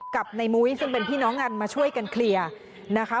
กับในมุ้ยซึ่งเป็นพี่น้องกันมาช่วยกันเคลียร์นะคะ